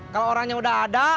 kalau orangnya udah ada